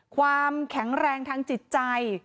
ความแข็งแรงทางจิตใจ